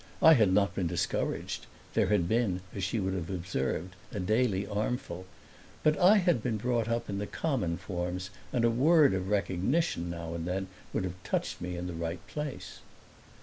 I had not been discouraged there had been, as she would have observed, a daily armful; but I had been brought up in the common forms and a word of recognition now and then would have touched me in the right place.